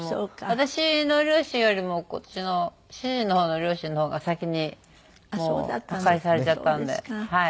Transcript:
私の両親よりもこっちの主人の方の両親の方が先にもう他界されちゃったんではい。